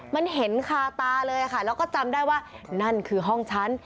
มันเห็นคาตาเลยค่ะแล้วก็จำได้ว่านั่นคือห้องฉัน